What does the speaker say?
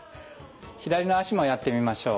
左の脚もやってみましょう。